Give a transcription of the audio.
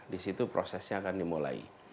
di situ prosesnya akan dimulai